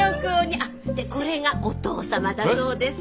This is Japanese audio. でこれがおとう様だそうです。